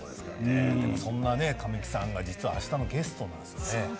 神木さんが実は、あしたのゲストなんです。